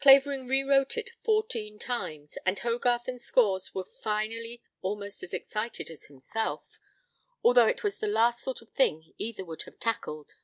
Clavering rewrote it fourteen times, and Hogarth and Scores were finally almost as excited as himself, although it was the last sort of thing either would have "tackled."